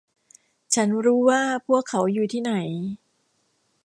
ฉันรู้ว่าพวกเขาอยู่ที่ไหน